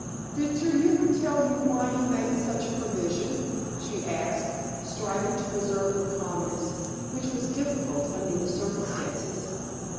"Did Sir Hubert tell you why he made such a provision?" she asked, striving to preserve her calmness, which was difficult under the circumstances.